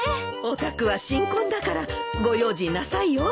お宅は新婚だからご用心なさいよ。